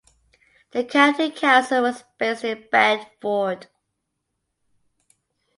The county council was based in Bedford.